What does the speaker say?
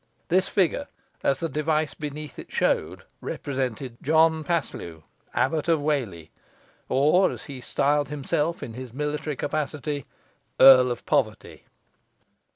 This figure, as the device beneath it showed, represented John Paslew, Abbot of Whalley, or, as he styled himself in his military capacity, Earl of Poverty.